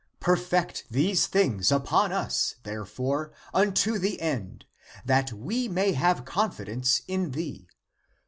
"Perfect these things upon us, therefore, unto the end, that we may have confidence in thee.